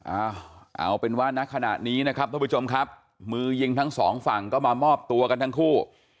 เอาเอาเป็นว่าณขณะนี้นะครับท่านผู้ชมครับมือยิงทั้งสองฝั่งก็มามอบตัวกันทั้งคู่